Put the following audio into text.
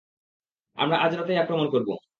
আমরা আজ রাতেই আক্রমণ করব!